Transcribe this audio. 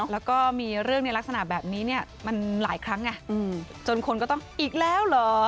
แล้วก็มีเรื่องในลักษณะแบบนี้เนี่ยมันหลายครั้งไงจนคนก็ต้องอีกแล้วเหรอ